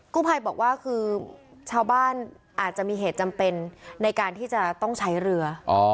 กู้ภัยบอกว่าคือชาวบ้านอาจจะมีเหตุจำเป็นในการที่จะต้องใช้เรือ